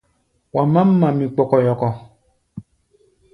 Wa mám mamí kpɔkɔyɔkɔ.